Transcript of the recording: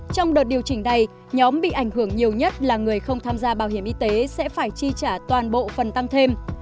trong đợt điều chỉnh này nhóm bị ảnh hưởng nhiều nhất là người không tham gia bảo hiểm y tế sẽ phải chi trả toàn bộ phần tăng thêm